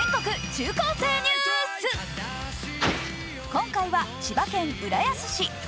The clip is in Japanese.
今回は千葉県浦安市。